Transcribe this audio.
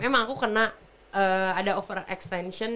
emang aku kena ada over extension